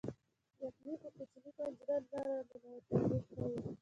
یخني په کوچنۍ پنجره نه راننوته او موږ ښه وو